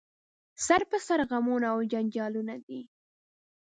سر په سر غمونه او جنجالونه دي